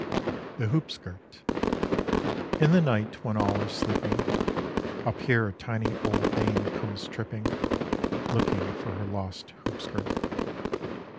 THE HOOPSKIRT In the night when all are sleeping, Up here a tiny old dame comes tripping, Looking for her lost hoopskirt.